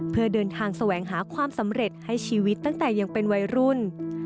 เพื่อเดินทางแสวงหาความสำเร็จให้ชีวิตตั้งแต่ยังเป็นวัยรุ่น